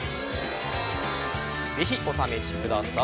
ぜひ、お試しください。